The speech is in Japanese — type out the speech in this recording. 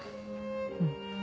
うん。